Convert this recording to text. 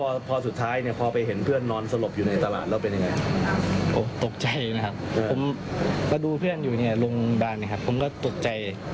แล้วพอสุดท้ายพอไปเห็นเพื่อนนอนสลบอยู่ในตลาดแล้วเป็นยังไง